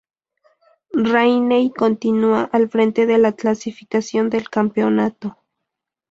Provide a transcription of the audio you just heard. Rainey continúa al frente de la clasificación del campeonato.